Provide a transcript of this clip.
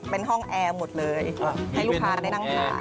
เป็นห้องแอร์หมดเลยให้ลูกค้าได้นั่งทาน